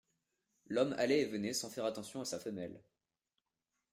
L'homme allait et venait sans faire attention à sa femelle.